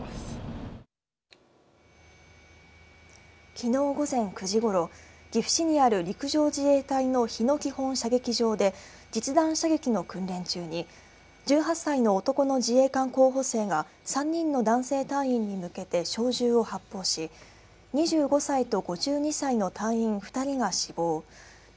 きのう午前９時ごろ岐阜市にある陸上自衛隊の日野基本射撃場で実弾射撃の訓練中に１８歳の男の自衛官候補生が３人の男性隊員に向けて小銃を発砲し２５歳と５２歳の隊員２人が死亡。